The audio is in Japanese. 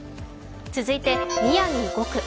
続いて、宮城５区。